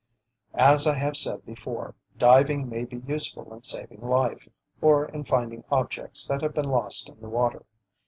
As I have said before, diving may be useful in saving life, or in finding objects that have been lost in the water.